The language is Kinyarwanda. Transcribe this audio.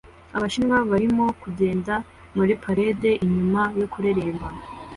Abashinwa barimo kugenda muri parade inyuma yo kureremba